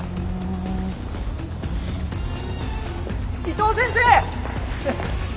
伊藤先生！